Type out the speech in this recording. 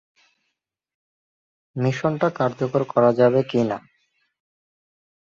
মিশনটা কার্যকর করা যাবে কি না?